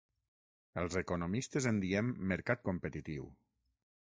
Els economistes en diem ‘mercat competitiu’.